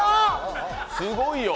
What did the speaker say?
すごいよ。